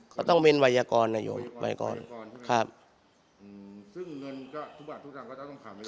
เขาต้องเป็นวัยกรนโยมวัยกรวัยกรใช่ไหมครับอืมซึ่งเงินก็ทุกบาททุกตังค์ก็ต้องถามวัยกร